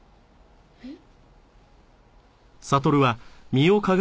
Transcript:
えっ？